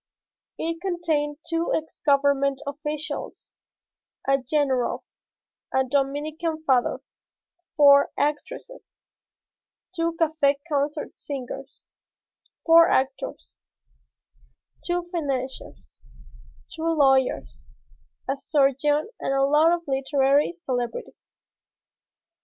It contained two ex government officials, a general, a Dominican father, four actresses, two café concert singers, four actors, two financiers, two lawyers, a surgeon and a lot of literary celebrities.